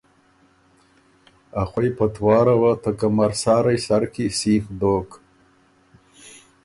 ا خوئ پتواره وه ته کمرسارئ سر کی سیخ دوک،